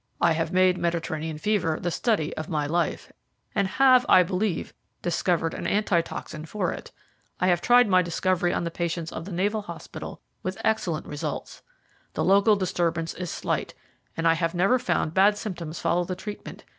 "I have made Mediterranean fever the study of my life, and have, I believe, discovered an antitoxin for it. I have tried my discovery on the patients of the naval hospital with excellent results. The local disturbance is slight, and I have never found bad symptoms follow the treatment.